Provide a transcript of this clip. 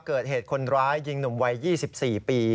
เกิดเหตุคนร้ายยิงหนุ่มวัย๒๔ปี